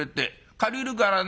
借りるからね。